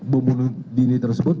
bom bunuh diri tersebut